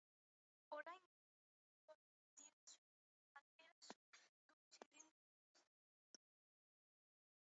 Oraingoan betirako dela adierazu du txirrindulari estatubatuarrak.